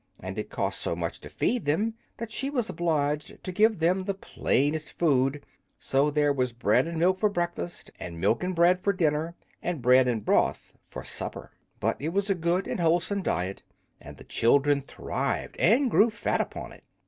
And it cost so much to feed them that she was obliged to give them the plainest food; so there was bread and milk for breakfast and milk and bread for dinner and bread and broth for supper. But it was a good and wholesome diet, and the children thrived and grew fat upon it.